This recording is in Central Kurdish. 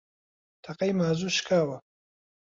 تەقەی مازوو شکاوە